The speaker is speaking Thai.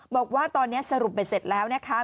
บอกว่าตอนนี้สรุปไปเสร็จแล้วนะคะ